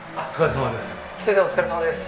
お疲れさまです。